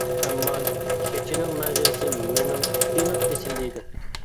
ئەمما كېچىنىڭ مەنزىرىسى مېنىڭ ئېنىق ئېسىمدە ئىدى.